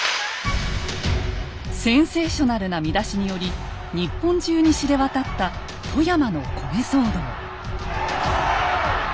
センセーショナルな見出しにより日本中に知れ渡った富山の米騒動。